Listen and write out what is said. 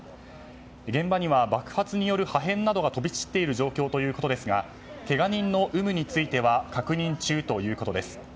現場には爆発による破片などが飛び散っている状況ということですがけが人の有無については確認中ということです。